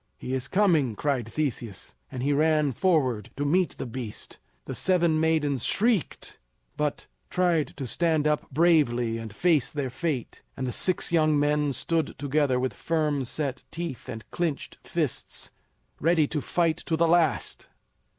"He is coming!" cried Theseus, and he ran forward to meet the beast. The seven maidens shrieked, but tried to stand up bravely and face their fate; and the six young men stood together with firm set teeth and clinched fists, ready to fight to the last.